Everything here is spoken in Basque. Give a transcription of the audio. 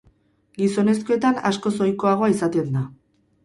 Gizonezkoetan askoz ohikoagoa izaten da.